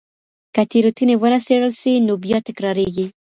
که تېروتنې ونه څېړل سي نو بيا تکرارېږي.